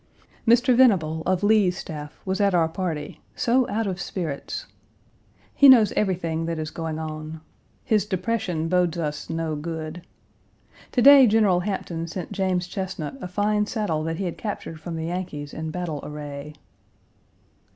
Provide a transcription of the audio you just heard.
Mr. Venable, of Lee's staff, was at our party, so out of Page 258 spirits. He knows everything that is going on. His depression bodes us no good. To day, General Hampton sent James Chesnut a fine saddle that he had captured from the Yankees in battle array.